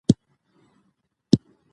دی خپل ولس ته وفادار دی.